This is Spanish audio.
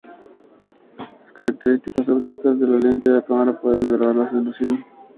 Las características ópticas de la lente de una cámara pueden agravar la distorsión.